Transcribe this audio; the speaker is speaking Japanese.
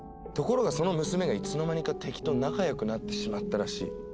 ところがその娘がいつの間にか敵と仲良くなってしまったらしい。